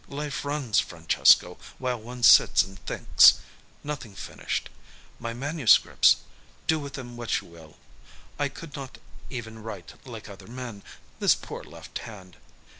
Life runs, Francesco, while one sits and thinks. Nothing finished. My manuscripts do with them what you will. I could not even write like other men this poor left hand."